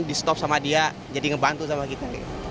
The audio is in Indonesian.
di stop sama dia jadi ngebantu sama kita